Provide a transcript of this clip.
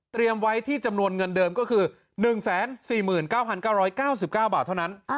ไว้ที่จำนวนเงินเดิมก็คือ๑๔๙๙๙๙บาทเท่านั้น